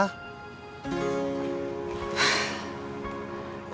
saya mau kerja apa